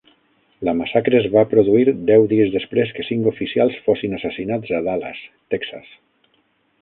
La massacre es va produir deu dies després que cinc oficials fossin assassinats a Dallas, Texas.